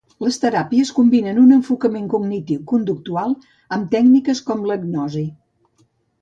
Les teràpies combinen un enfocament cognitiu conductual amb tècniques com la hipnosi.